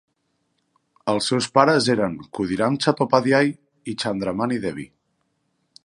Els seus pares eren Khudiram Chattopadhyay i Chandramani Devi.